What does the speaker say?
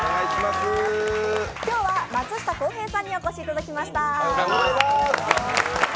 今日は松下洸平さんにお越しいただきました。